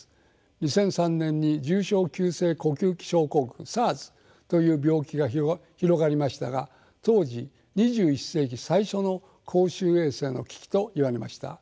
２００３年に重症急性呼吸器症候群ＳＡＲＳという病気が広がりましたが当時「２１世紀最初の公衆衛生の危機」と言われました。